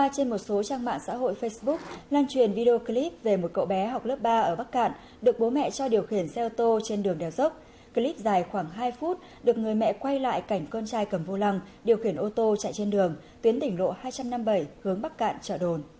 các bạn hãy đăng ký kênh để ủng hộ kênh của chúng mình nhé